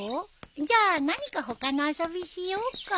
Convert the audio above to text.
じゃあ何か他の遊びしようか？